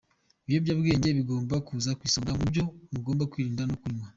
Ibiyobyabwenge bigomba kuza ku isonga mu byo mugomba kwirinda no kurwanya.